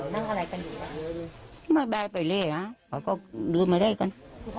ปกติแล้วเขาจะมีปัญหาเรื่องหายเขาไกรอะไรยนี่บ้าง